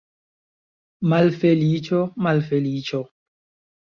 Malfeliĉo, malfeliĉo!